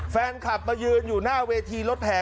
แฟนคลับมายืนอยู่หน้าเวทีรถแห่